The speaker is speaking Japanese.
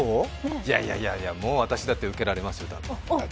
いやいや、もう私だって受けられますよ。